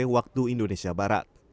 waktu indonesia barat